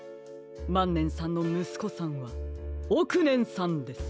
まんねんさんのむすこさんはおくねんさんです！